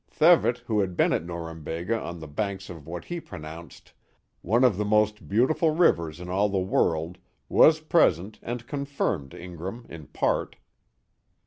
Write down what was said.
Thevet who had been at Norumbega, on the banks of what he pronounced *' one of the most beautiful rivers in all the world," was present and confirmed Ingram in part.'